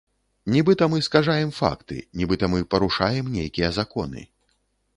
Нібыта мы скажаем факты, нібыта мы парушаем нейкія законы.